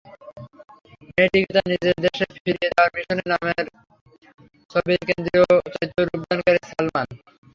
মেয়েটিকে তার নিজদেশে ফিরিয়ে দেওয়ার মিশনে নামেন ছবির কেন্দ্রীয় চরিত্র রূপদানকারী সালমান।